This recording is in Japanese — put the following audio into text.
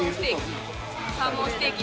サーモンステーキ。